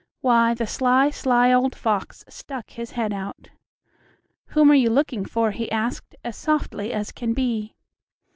Why, the sly, sly old fox stuck his head out. "Whom are you looking for?" he asked, as softly as can be.